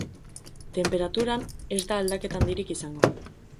Tenperaturan ez da aldaketa handirik izango.